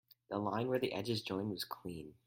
The line where the edges join was clean.